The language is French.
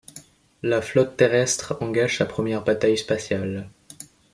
La flotte terrestre engage sa première bataille spatiale.